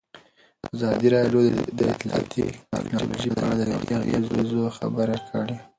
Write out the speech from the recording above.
ازادي راډیو د اطلاعاتی تکنالوژي په اړه د روغتیایي اغېزو خبره کړې.